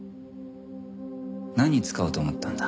何に使おうと思ったんだ？